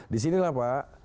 disini lah pak